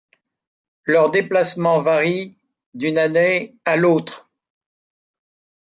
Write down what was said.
Leurs déplacements varient d'une année à l'autre.